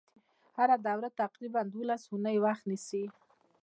هره دوره تقریبا دولس اونۍ وخت نیسي.